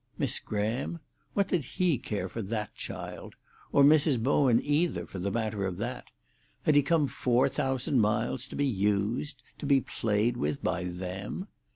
Miss Graham? What did he care for that child? Or Mrs. Bowen either, for the matter of that? Had he come four thousand miles to be used, to be played with, by them?